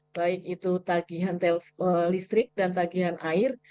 baik itu tagihan listrik dan tagihan air